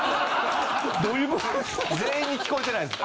全員に聞こえてないです。